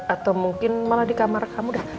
atau mungkin malah di kamar kamu deh